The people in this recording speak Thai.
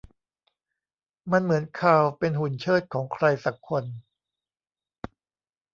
มันเหมือนคาร์ลเป็นหุ่นเชิดของใครสักคน